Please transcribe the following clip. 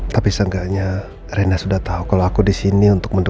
tapi seenggaknya rena sudah tahu kalau aku disini untuk membantu